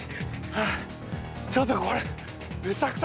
はあちょっとこれ。